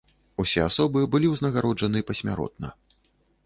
Усе асобы былі ўзнагароджаны пасмяротна.